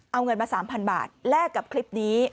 เอาเงินมา๓๐๐บาทแลกกับคลิปนี้